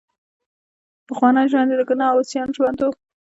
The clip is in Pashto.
پخوانی ژوند یې د ګناه او عصیان ژوند وو.